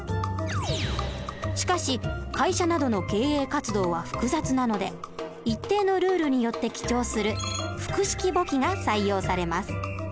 しかし会社などの経営活動は複雑なので一定のルールによって記帳する複式簿記が採用されます。